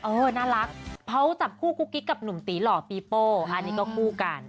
น่ารักเขาจับคู่กุ๊กกิ๊กกับหนุ่มตีหล่อปีโป้อันนี้ก็คู่กัน